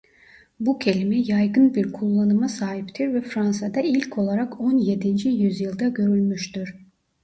Bu kelime yaygın bir kullanıma sahiptir ve Fransa'da ilk olarak on yedinci yüzyılda görülmüştür.